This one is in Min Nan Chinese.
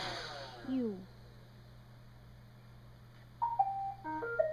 幼